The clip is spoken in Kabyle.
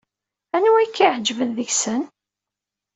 Anwa ay k-iɛejben deg-sen?